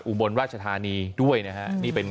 ขอบคุณครับ